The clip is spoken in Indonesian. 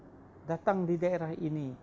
yang datang di daerah ini